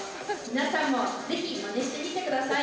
皆さんもぜひマネしてみてください。